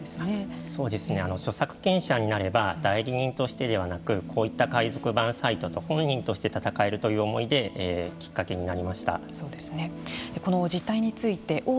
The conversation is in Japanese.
漫画を描こうと思ったきっかけというか著作権者になれば代理人としてではなくこういった海賊版サイトと本人として闘えるという思いできっかけになりました。